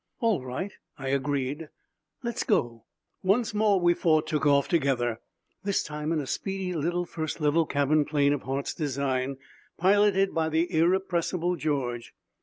"All right," I agreed. "Let's go!" Once more we four took off together, this time in a speedy little first level cabin plane of Hart's design, piloted by the irrepressible George.